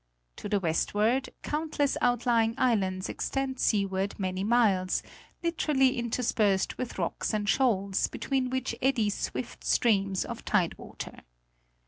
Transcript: To the westward countless outlying islands extend seaward many miles, liberally interspersed with rocks and shoals, between which eddy swift streams of tide water.